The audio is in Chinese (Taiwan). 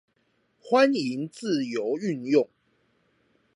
歡迎自由運用